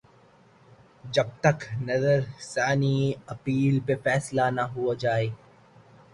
جب تک کہ نظر ثانی اپیل پہ فیصلہ نہ ہوجائے۔